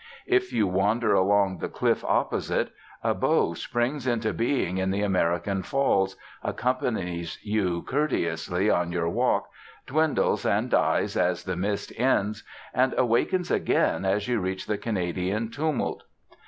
If you wander along the cliff opposite, a bow springs into being in the American Falls, accompanies you courteously on your walk, dwindles and dies as the mist ends, and awakens again as you reach the Canadian tumult.